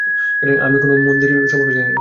আমি কোন মন্দির সম্পর্কে জানি না।